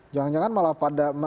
jangan jangan malah pada